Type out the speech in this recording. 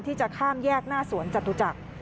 ที่จะข้ามแยกหน้าสวนจตุจักร